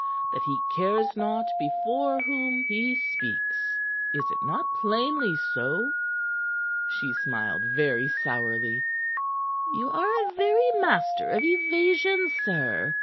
that he cares not before whom he speaks. Is it not plainly so?" She smiled very sourly. "You are a very master of evasion, sir.